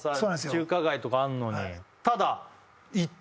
中華街とかあんのにですよね